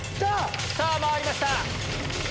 さぁ回りました。